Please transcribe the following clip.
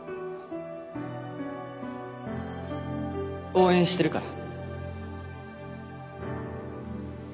応援してるから